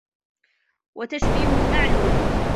وَتَشْبِيهٌ مَعْلُولٌ